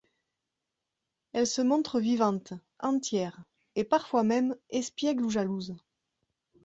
Elle se montre vivante, entière et parfois même espiègle ou jalouse.